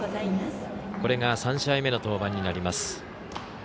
これが３試合目の登板になります。